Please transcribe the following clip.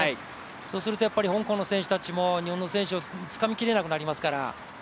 そうすると香港の選手たちも日本の選手をつかみきれなくなりますから。